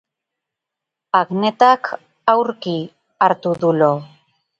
Agnetak aurki hartu du lo.